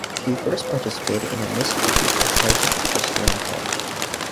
She first participated in a Miss Country Club pageant while still in college.